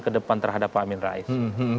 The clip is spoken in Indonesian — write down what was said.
ke depan terhadap pak amin rais